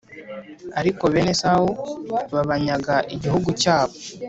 ariko bene Esawu babanyaga igihugu cyabo,